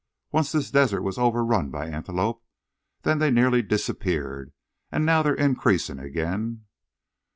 "Once this desert was overrun by antelope. Then they nearly disappeared. An' now they're increasin' again."